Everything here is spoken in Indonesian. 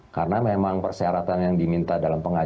karena memang persyaratan yang diminta dalam pengadilan